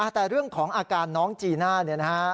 แต่เรื่องของอาการน้องจีน่าเนี่ยนะฮะ